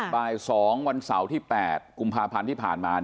บ่าย๒วันเสาร์ที่๘กุมภาพันธ์ที่ผ่านมา